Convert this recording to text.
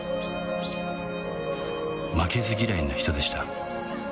負けず嫌いな人でした